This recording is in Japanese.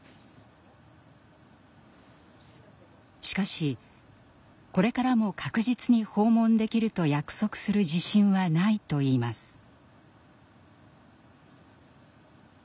しかしこれからも確実に訪問できると約束する自信はないといいます。